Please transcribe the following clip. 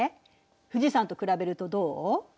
富士山と比べるとどう？